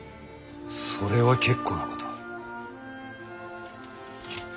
それは結構なこと。